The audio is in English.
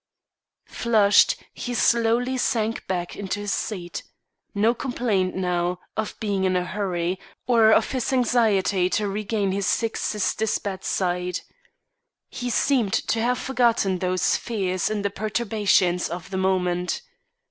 _" Flushed, he slowly sank back into his seat. No complaint, now, of being in a hurry, or of his anxiety to regain his sick sister's bedside. He seemed to have forgotten those fears in the perturbations of the moment.